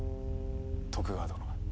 徳川殿。